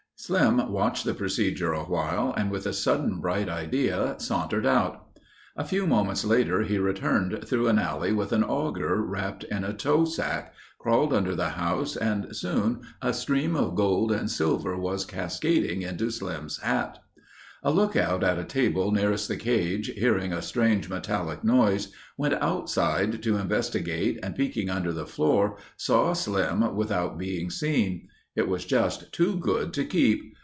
Slim watched the procedure awhile and with a sudden bright idea, sauntered out. A few moments later he returned through an alley with an auger wrapped in a tow sack, crawled under the house and soon a stream of gold and silver was cascading into Slim's hat. A lookout at a table nearest the cage, hearing a strange metallic noise, went outside to investigate and peeking under the floor, saw Slim without being seen. It was just too good to keep.